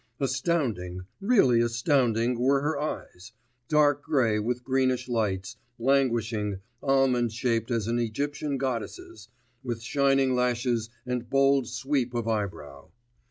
Astounding, really astounding were her eyes, dark grey with greenish lights, languishing, almond shaped as an Egyptian goddess's, with shining lashes and bold sweep of eyebrow.